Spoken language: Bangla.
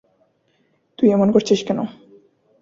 তুই এমন করছিস কেনো?